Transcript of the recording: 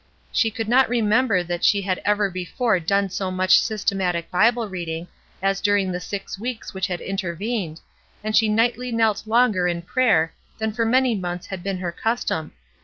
She could not remember that she had ever before done so much systematic Bible reading as during the six weeks which had intervened, and she nightly knelt longer in prayer than for many months had been her cus tom.